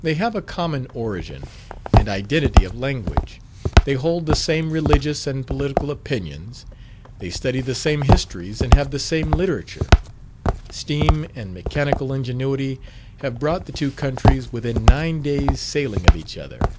They have a common origin and identity of language; they hold the same religious and political opinions; they study the same histories, and have the same literature. Steam and mechanical ingenuity have brought the two countries within nine days sailing of each other.